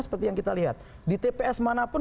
seperti yang kita lihat di tps manapun